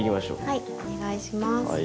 はいお願いします。